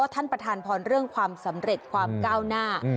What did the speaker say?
ท่านประธานพรเรื่องความสำเร็จความก้าวหน้า